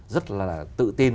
rất là tự tin